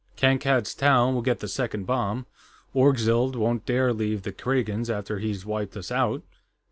Kankad's Town will get the second bomb; Orgzild won't dare leave the Kragans after he's wiped us out.